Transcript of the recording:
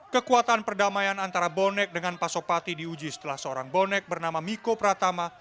kekuatan perdamaian antara bonek dengan pasopati diuji setelah seorang bonek bernama miko pratama